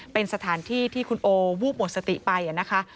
เป็นสถานที่ที่คุณโอวูบหมดสติไปนะคะ